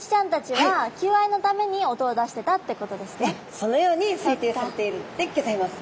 そのように推定されているんでギョざいます。